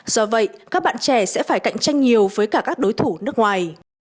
do vậy các bạn trẻ sẽ phải cạnh tranh nhiều với cả các đối thủ nước ngoài